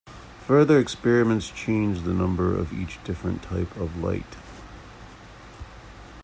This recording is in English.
Further experiments changed the number of each different type of light.